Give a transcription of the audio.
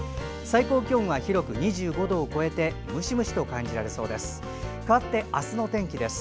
最高気温は広く２５度を超えてムシムシと感じられそうです。